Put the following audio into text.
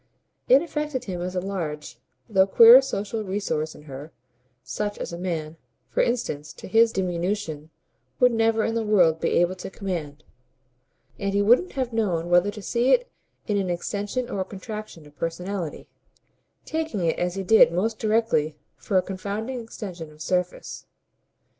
It affected him as a large though queer social resource in her such as a man, for instance, to his diminution, would never in the world be able to command; and he wouldn't have known whether to see it in an extension or a contraction of "personality," taking it as he did most directly for a confounding extension of surface.